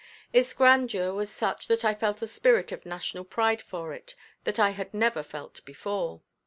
Its grandeur was such that I felt a spirit of national pride for it, that I had never felt before.